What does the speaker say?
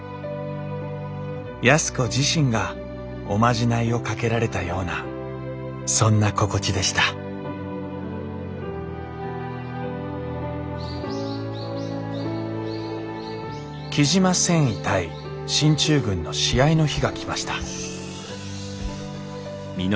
安子自身がおまじないをかけられたようなそんな心地でした雉真繊維対進駐軍の試合の日が来ました